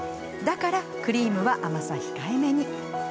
だからクリームは甘さ控えめに。